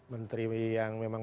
menteri yang memang